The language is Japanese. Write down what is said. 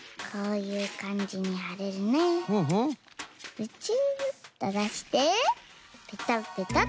ブチュっとだしてペタッペタッ。